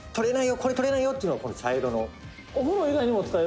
これ、取れないよっていうのはこの茶色の」